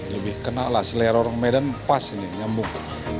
lebih kenal lah selera orang medan pas ini nyambuk